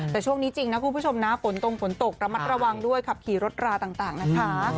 แต่ช่วงนี้จริงนะคุณผู้ชมนะฝนตรงฝนตกระมัดระวังด้วยขับขี่รถราต่างนะคะ